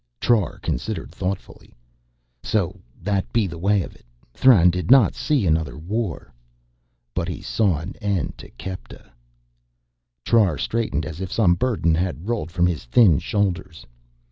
Trar considered thoughtfully. "So that be the way of it. Thran did not see another war...." "But he saw an end to Kepta!" Trar straightened as if some burden had rolled from his thin shoulders.